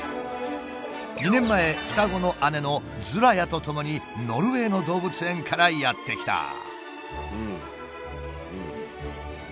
２年前双子の姉のズラヤとともにノルウェーの動物園からやって来た。